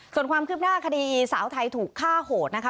ส่วนความคืบหน้าคดีสาวไทยถูกฆ่าโหดนะคะ